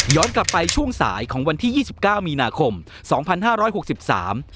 กลับไปช่วงสายของวันที่ยี่สิบเก้ามีนาคมสองพันห้าร้อยหกสิบสาม